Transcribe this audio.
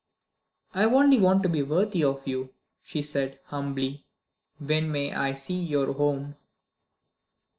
"I only want to be worthy of you," she said, humbly. "When may I see your Home?"